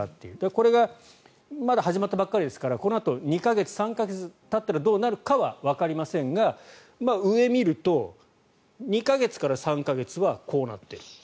これがまだ始まったばかりですからこのあと２か月、３か月たったらどうなるかはわかりませんが上を見ると２か月から３か月はこうなっている。